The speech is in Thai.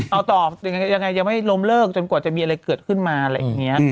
เอาต่อยังไงยังไม่ล้มเลิกจนกว่าจะมีอะไรเกิดขึ้นมาอะไรอย่างนี้